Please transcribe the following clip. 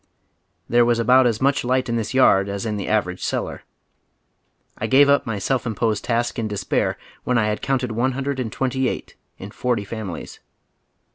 There was about as much light in this " yard " as in the average cellar. I gave up my self im posed task in despair when I had counted one hundred and twenty eigiit in forty families.